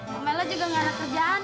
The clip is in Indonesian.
mama ella juga nggak ada kerjaan